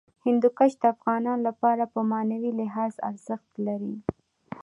هندوکش د افغانانو لپاره په معنوي لحاظ ارزښت لري.